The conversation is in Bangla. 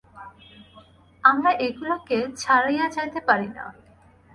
আমরা এগুলিকে ছাড়াইয়া যাইতে পারি না।